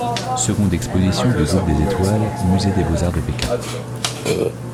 Seconde exposition du groupe des Étoiles 星星, Musée des Beaux Arts de Pékin 北京美术馆.